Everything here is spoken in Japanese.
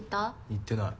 言ってない。